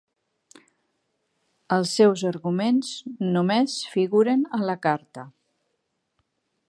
Els seus arguments només figuren a la carta.